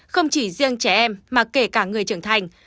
không chỉ riêng trẻ em mà kể cả người trưởng thành